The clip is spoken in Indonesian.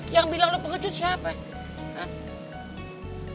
yang bilang lo penggecut siapa ya